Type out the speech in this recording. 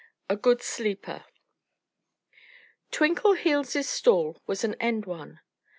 VIII A GOOD SLEEPER Twinkleheels' stall was an end one.